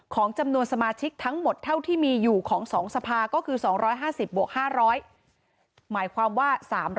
ของจำนวนสมาชิกทั้งหมดเท่าที่มีอยู่ของ๒สภาก็คือ๒๕๐บวก๕๐๐หมายความว่า๓๐๐